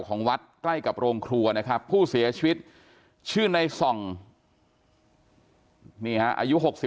วัดใกล้กับโรงครัวนะครับผู้เสียชีวิตชื่อในส่องนี่ฮะอายุ๖๔